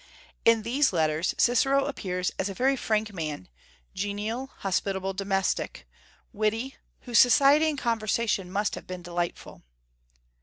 In these letters Cicero appears as a very frank man, genial, hospitable, domestic, witty, whose society and conversation must have been delightful.